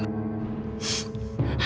aku nggak mau